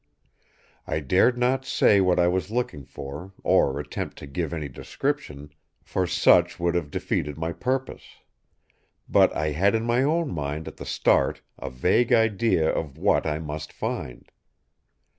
I dared not say what I was looking for, or attempt to give any description; for such would have defeated my purpose. But I had in my own mind at the start a vague idea of what I must find.